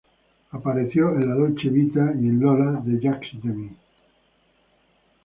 Apareció en "La dolce vita" y en "Lola" de Jacques Demy.